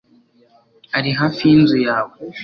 ari hafi yinzu yawe